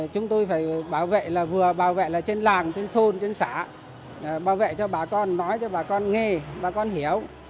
chúng tôi phải bảo vệ là vừa bảo vệ là trên làng trên thôn trên xã bảo vệ cho bà con nói cho bà con nghe bà con hiểu